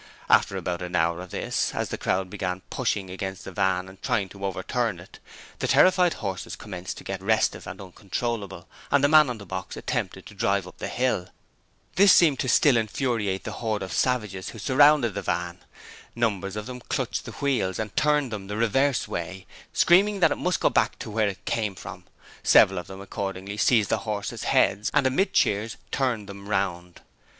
After about an hour of this, as the crowd began pushing against the van and trying to overturn it, the terrified horses commenced to get restive and uncontrollable, and the man on the box attempted to drive up the hill. This seemed to still further infuriate the horde of savages who surrounded the van. Numbers of them clutched the wheels and turned them the reverse way, screaming that it must go back to where it came from; several of them accordingly seized the horses' heads and, amid cheers, turned them round.